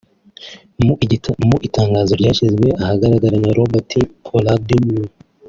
Mu itangazo ryashyizwe ahagaragara na Robert Palladino